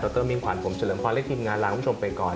มินขวัญผมเฉลิมพรและทีมงานลาคุณผู้ชมไปก่อน